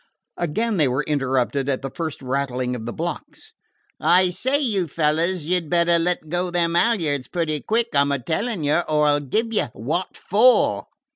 Again they were interrupted at the first rattling of the blocks. "I say, you fellers, you 'd better let go them halyards pretty quick, I 'm a tellin' you, or I 'll give you what for!"